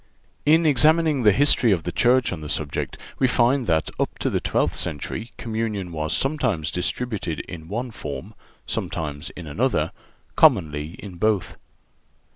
In examining the history of the Church on the subject we find that up to the twelfth century communion was sometimes distributed in one form, sometimes in another, commonly in both.